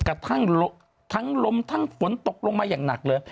กระทั่งทั้งลมทั้งฝนตกลงมาอย่างหนักเลย